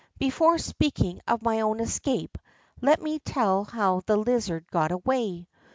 Before speaking of my own escape, let me tell how the lizard got away.